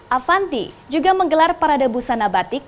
avanti juga menggelar parade busana batik